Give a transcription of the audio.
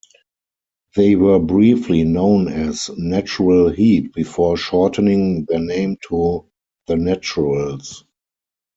They were briefly known as "Natural Heat" before shortening their name to "The Naturals".